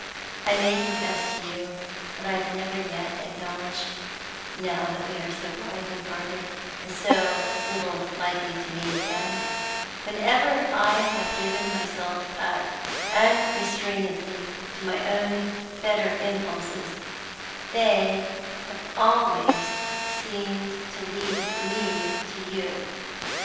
I may confess to you what I have never yet acknowledged now that we are so widely parted, and so little likely to meet again whenever I have given myself up unrestrainedly to my own better impulses, they have always seemed to lead me to you.